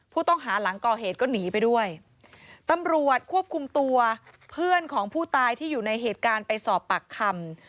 ผู้ต้องหาหลังก่อเหตุก็หนีไปด้วยตำรวจควบคุมตัวเพื่อนของผู้ตายที่อยู่ในเหตุการณ์ไปสอบปากคำ